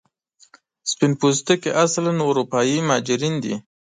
سپین پوستکي اصلا اروپایي مهاجرین دي.